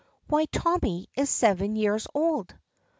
"Why Tommy is seven years old."